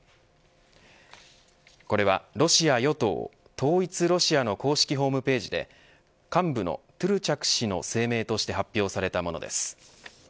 これはロシア与党、統一ロシアの公式ホームページで幹部のトゥルチャク氏の声明として発表されたものです。